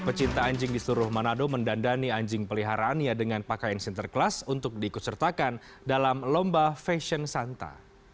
pecinta anjing di seluruh manado mendandani anjing peliharaannya dengan pakaian sinterklas untuk diikut sertakan dalam lomba fashion santa